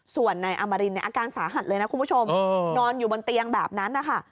ส่วนนายอมรินอาการสาหัสเลยนะคุณผู้ชมนอนอยู่บนเตียงแบบนั้นนะคะ